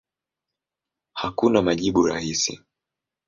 Hakuna majibu rahisi.